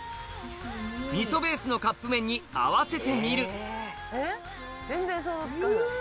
味噌ベースのカップ麺に合わせてみるうん！